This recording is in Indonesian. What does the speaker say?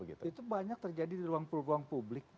itu banyak terjadi di ruang ruang publik